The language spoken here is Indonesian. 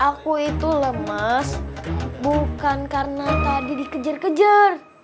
aku itu lemas bukan karena tadi dikejar kejar